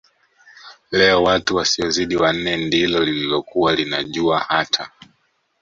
la watu wasiozidi wanne ndilo lililokuwa linajua hata